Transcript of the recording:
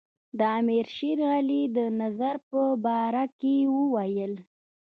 د امیر شېر علي د نظر په باره کې وویل.